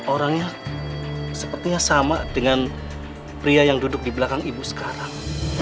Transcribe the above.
orangnya sepertinya sama dengan pria yang duduk di belakang ibu sekarang